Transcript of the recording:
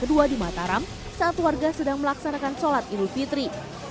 kedua di mataram saat warga sedang melaksanakan sholat idul fitri